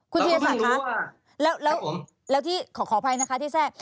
คุณธีรศักดิ์คะแล้วที่ขออภัยนะคะที่แทรก